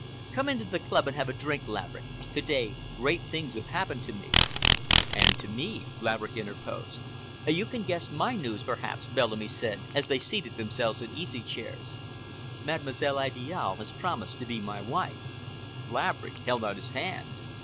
Come into the club and have a drink, Laverick. To day great things have happened to me." "And to me," Laverick interposed. "You can guess my news, perhaps," Bellamy said, as they seated themselves in easy chairs. "Mademoiselle Idiale has promised to be my wife." Laverick held out his hand.